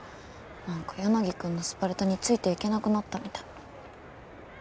なんか柳くんのスパルタについていけなくなったみたい。